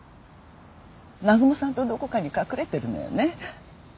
南雲さんとどこかに隠れてるのよね？